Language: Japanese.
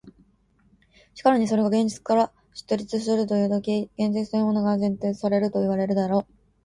しかるにそれが現実から出立するというとき、現実というものが前提されるといわれるであろう。